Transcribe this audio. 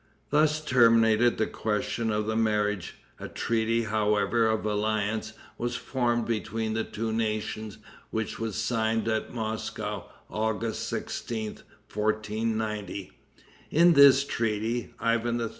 Thus terminated the question of the marriage. A treaty, however, of alliance was formed between the two nations which was signed at Moscow, August 16th, 1490. In this treaty, Ivan III.